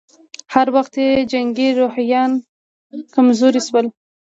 هره ورځ یې جنګي روحیات کمزوري شول.